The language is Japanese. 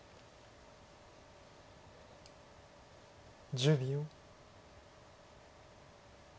１０秒。